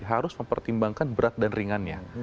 harus mempertimbangkan berat dan ringannya